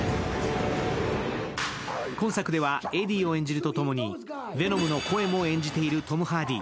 今作ではエディを演じるとともにヴェノムの声も演じているトム・ハーディ。